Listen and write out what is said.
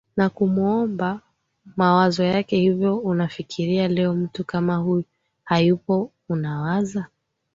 na kumuomba mawazo yake hivyo unafikiria leo mtu kama huyo hayupo unawaza